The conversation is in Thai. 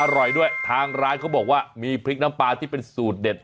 อร่อยด้วยทางร้านเขาบอกว่ามีพริกน้ำปลาที่เป็นสูตรเด็ด